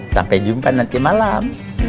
sampai jumpa nanti malam